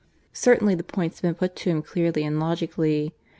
Certainly the points had been put to him clearly and logically.